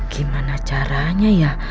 gimana caranya ya